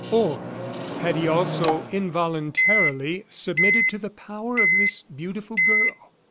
Or had he also involuntarily submitted to the power of this beautiful girl?